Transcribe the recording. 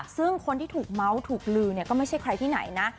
ซึ่งคนที่ถูกเมาส์ถูกลือเนี่ยก็ไม่ใช่ใครที่ไหนนะ